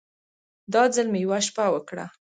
دا ځل مې يوه شپه وکړه.